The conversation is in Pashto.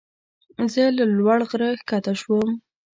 زه له لوړ غره ښکته شوم.